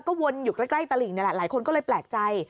ก็วนอยู่ใกล้ตะหลิงนี่แหละ